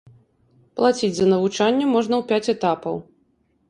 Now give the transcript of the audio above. Плаціць за навучанне можна ў пяць этапаў.